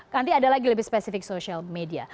nanti ada lagi lebih spesifik social media